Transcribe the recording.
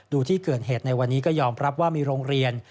ดูที่เกิดเหตุในวันนี้ก็ยอมรับว่ามีโรงเรียน